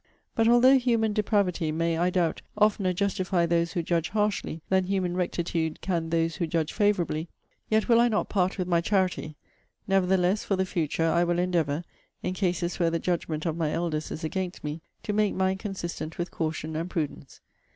But although human depravity may, I doubt, oftener justify those who judge harshly, than human rectitude can those who judge favourably, yet will I not part with my charity. Nevertheless, for the future, I will endeavour, in cases where the judgment of my elders is against me, to make mine consistent with caution and prudence.'